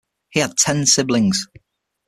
He had ten siblings.